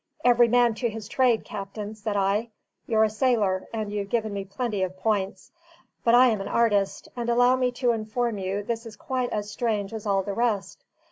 "Every man to his trade, captain," said I. "You're a sailor, and you've given me plenty of points; but I am an artist, and allow me to inform you this is quite as strange as all the rest.